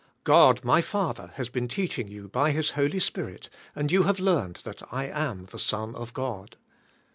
"God, my Father has been teaching you by His Holy Spirit and you have learned that I am the Son of God.